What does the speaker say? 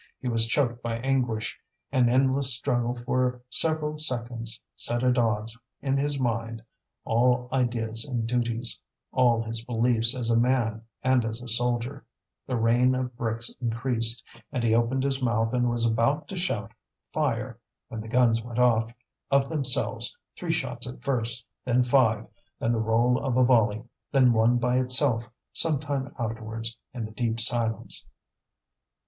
He was choked by anguish; an endless struggle for several seconds set at odds in his mind all ideas and duties, all his beliefs as a man and as a soldier. The rain of bricks increased, and he opened his mouth and was about to shout "Fire!" when the guns went off of themselves three shots at first, then five, then the roll of a volley, then one by itself, some time afterwards, in the deep silence.